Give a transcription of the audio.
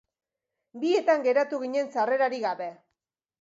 Bietan geratu ginen sarrerarik gabe.